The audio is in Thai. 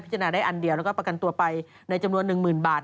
จนาได้อันเดียวแล้วก็ประกันตัวไปในจำนวน๑๐๐๐บาท